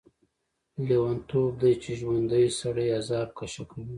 لیونتوب دی چې ژوندی سړی عذاب کشه کوي.